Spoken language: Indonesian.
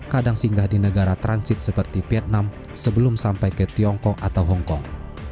kadang singgah di negara transit seperti vietnam sebelum sampai ke tiongkok atau hongkong